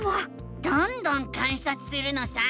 どんどん観察するのさ！